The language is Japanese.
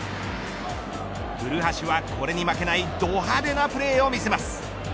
古橋は、これに負けないど派手なプレーを見せます